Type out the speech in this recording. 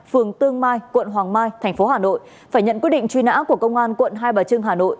phường tương mai quận hoàng mai thành phố hà nội phải nhận quyết định truy nã của công an quận hai bà trưng hà nội